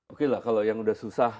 oke lah kalau yang udah susah